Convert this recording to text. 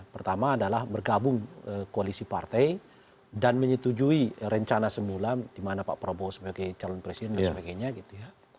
pertama adalah bergabung koalisi partai dan menyetujui rencana semula dimana pak prabowo sebagai calon presiden dan sebagainya gitu ya